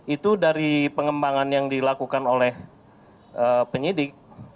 itu dari pengembangan yang dilakukan oleh penyidik